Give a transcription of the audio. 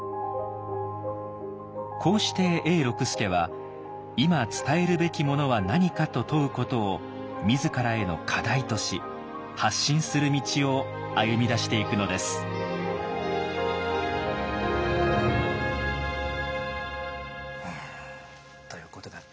こうして永六輔は“いま伝えるべきものは何か”と問うことを自らへの課題とし発信する道を歩みだしていくのです。ということだったわけなんですけれどもね。